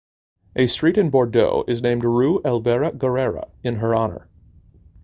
A street in Bordeaux is named Rue Elvira Guerra in her honour.